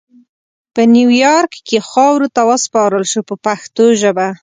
په نیویارک کې خاورو ته وسپارل شو په پښتو ژبه.